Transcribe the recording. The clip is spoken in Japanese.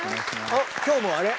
あっ今日もあれ？